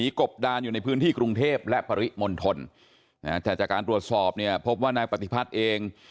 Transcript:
กบดานอยู่ในพื้นที่กรุงเทพและปริมณฑลแต่จากการตรวจสอบเนี่ยพบว่านายปฏิพัฒน์เอง